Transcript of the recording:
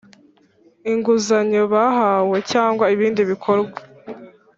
inguzanyo bahawe cyangwa ibindi bikorwa